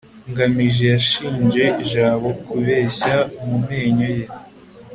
ngamije yashinje jabo kubeshya mu menyo ye